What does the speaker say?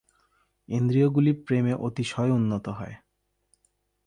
ইন্দ্রিয়গুলি প্রেমে অতিশয় উন্নত হয়।